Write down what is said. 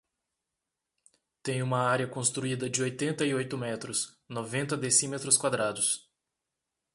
Tem uma área construída de oitenta e oito metros, noventa decímetros quadrados.